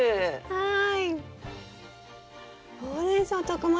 はい。